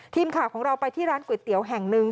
ทีมข่าวของเราไปที่ร้านก๋วยเตี๋ยวแห่งหนึ่ง